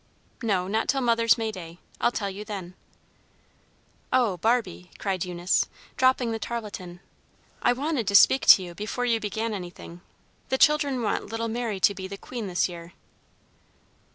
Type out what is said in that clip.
"No, not till Mother's May Day. I'll tell you then." "Oh, Barbie," cried Eunice, dropping the tarlatan, "I wanted to speak to you before you began anything. The children want little Mary to be the queen this year."